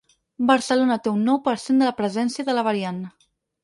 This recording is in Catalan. Barcelona té un nou per cent de presència de la variant.